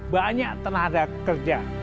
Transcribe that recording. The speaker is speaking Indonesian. banyak tenaga kerja